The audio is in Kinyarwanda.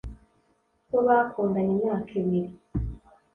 ko bakundanye imyaka ibiri.